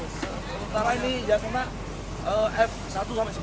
untara ini yang sama f satu sampai f sembilan